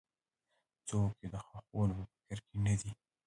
څوک یې د ښخولو په فکر کې نه دي.